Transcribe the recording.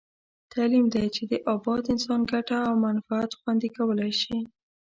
تعلیم دی چې د اباد انسان ګټه او منفعت خوندي کولای شي.